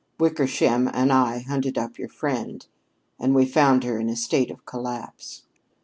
Wickersham and I hunted up your friend and we found her in a state of collapse."